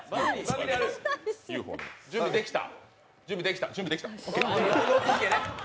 準備できた？